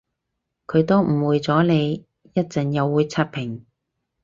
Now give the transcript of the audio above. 佢都誤會咗你，一陣又會刷屏